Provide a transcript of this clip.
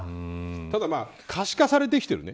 ただ、可視化されてきてるね。